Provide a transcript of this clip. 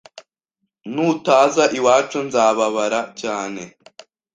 Ntutaza iwacu nzababara cyane